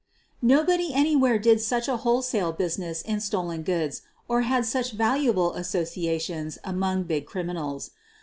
Nobody anywhere did such a wholesale business in stolen goods or had such valuable associations among big criminals.